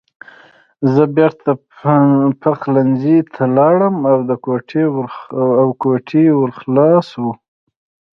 زه بېرته پخلنځي ته لاړم او د کوټې ور خلاص و